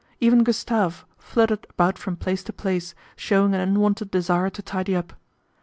Even Gustave fluttered about from place to place, showing an unwonted desire to tidy up.